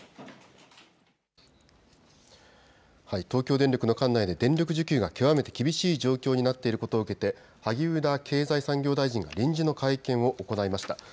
東京電力の管内で電力需給が極めて厳しい状況になっていることを受けて萩生田経済産業大臣臨時の会見を行いました。